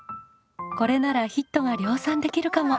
これならヒットが量産できるかも！